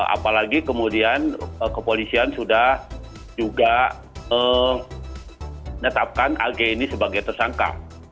apalagi kemudian kepolisian sudah juga menetapkan ag ini sebagai tersangka